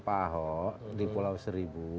pak ahok di pulau seribu